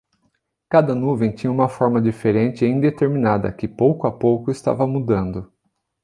Cada nuvem tinha uma forma diferente e indeterminada que, pouco a pouco, estava mudando.